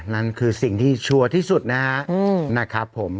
นั่นคือสิ่งที่ชัวร์ที่สุดนะครับผม